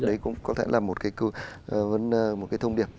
đấy cũng có thể là một cái thông điệp